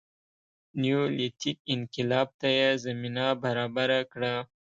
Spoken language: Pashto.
نیولیتیک انقلاب ته یې زمینه برابره کړه